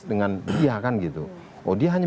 dengan dia kan gitu oh dia hanya